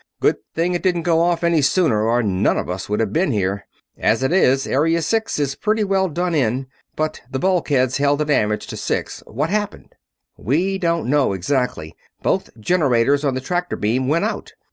Good thing it didn't go off any sooner, or none of us would have been here. As it is, Area Six is pretty well done in, but the bulkheads held the damage to Six. What happened?" "We don't know, exactly. Both generators on the tractor beam went out.